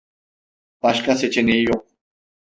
Başka seçeneği yok.